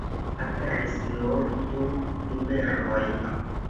Aperis nur du numeroj.